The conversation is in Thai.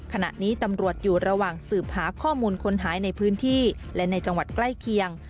ขณะนี้ตำรวจอยู่ระหว่างสืบหาข้อมูลคนหายในพื้นที่และในจังหวัดใกล้เคียง